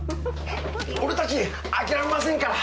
俺たち諦めませんから！